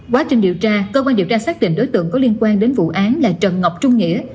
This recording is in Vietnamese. quá trình điều tra cơ quan điều tra xác định đối tượng có liên quan đến vụ án là trần ngọc trung nghĩa